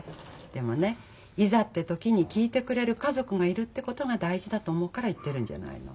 でもねいざって時に聞いてくれる家族がいるってことが大事だと思うから言ってるんじゃないの。